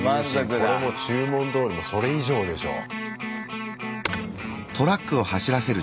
これも注文どおりのそれ以上でしょう。